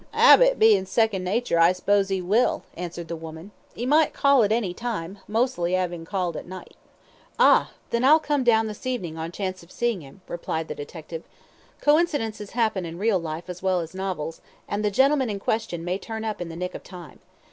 "'Abit bein' second nature I s'pose he will," answered the woman, "'e might call at any time, mostly 'avin' called at night." "Ah! then I'll come down this evening on chance of seeing him," replied the detective. "Coincidences happen in real life as well as in novels, and the gentleman in question may turn up in the nick of time.